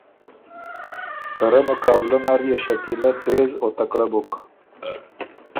ته رۀ مقابلۀ نر يې شکیلۀ تېز او تکړۀ بُک۔